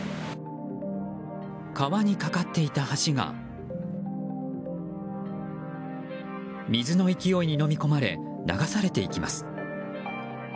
川に架かっていた橋が水の勢いにのみ込まれ流されていきます。